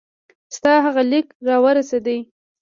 ستا هغه لیک را ورسېدی.